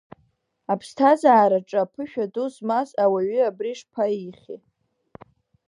Аԥсҭазараҿы аԥышәа ду змаз ауаҩы абри шԥаихьи?!